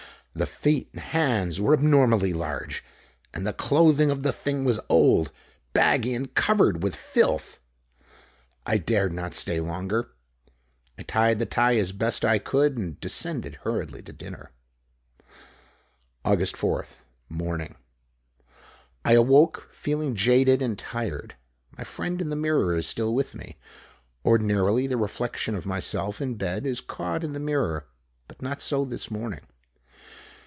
The feet and hands were abnormally large, and the clothing of the thing was old, baggy, and covered with filth. I dared not stay longer. I tied the tie as best I could and descended hurriedly to dinner. Aug. 4th. Morning: I awoke feeling jaded and tired. My friend in the mirror is still with me. Ordinarily the reflection of myself, in bed, is caught in the mirror, but not so this morning.